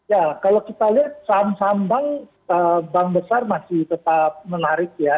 ya kalau kita lihat saham saham bank besar masih tetap menarik ya